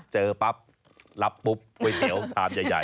เจอปั๊บรับปุ๊บก๋วยเตี๋ยวชามใหญ่